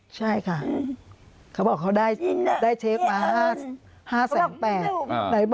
ใช่ค่ะเขาพบเขาได้เช็กมาวัน๕๘วัน